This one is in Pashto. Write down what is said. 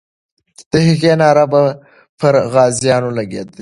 د هغې ناره پر غازیانو لګېدلې.